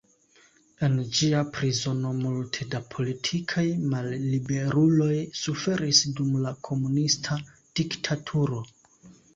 En ĝia prizono multe da politikaj malliberuloj suferis dum la komunista diktaturo.